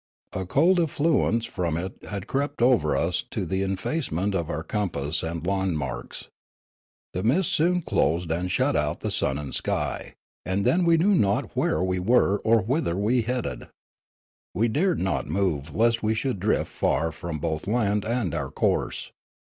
A cold effluence from it had crept over us to the effacement of our compass and landmarks. The mist soon closed and shut out the sun and sky, and then we knew not where we were or w^hither we headed. We dared not move lest we should drift far from both land and our course.